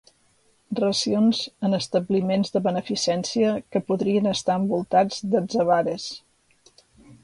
Racions en establiments de beneficència que podrien estar envoltats d'atzavares.